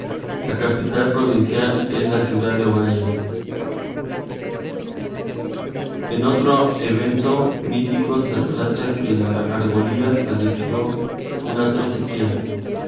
En otro evento mítico se relata que la Argólida padeció una atroz sequía.